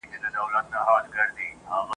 جهاني دی، ورکي لاري، سپیني شپې دي، توري ورځي ..